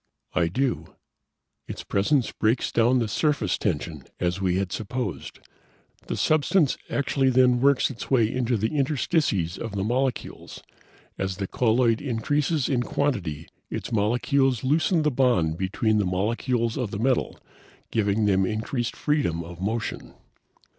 "I do. Its presence breaks down the surface tension, as we had supposed. The substance actually then works its way into the interstices of the molecules. As the colloid increases in quantity, its molecules loosen the bond between the molecules of the metal, giving them increased freedom of motion.